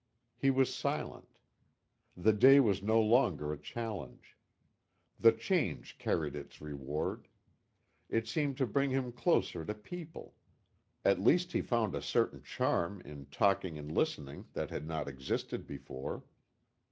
He was silent. The day was no longer a challenge. The change carried its reward. It seemed to bring him closer to people. At least he found a certain charm in talking and listening that had not existed before.